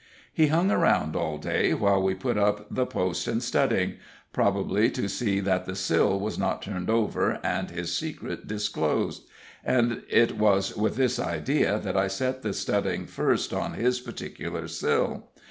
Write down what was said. He hung around all day while we put up the post and studding probably to see that the sill was not turned over and his secret disclosed; and it was with this idea that I set the studding first on his particular sill.